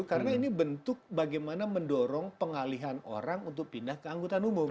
karena ini bentuk bagaimana mendorong pengalihan orang untuk pindah ke anggota umum